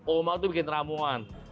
omah itu bikin ramuan